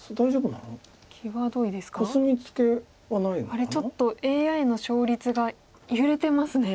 あれちょっとＡＩの勝率が揺れてますね。